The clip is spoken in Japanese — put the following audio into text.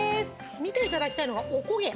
見ていただきたいのがお焦げ。